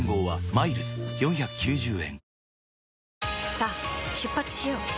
さあ出発しよう。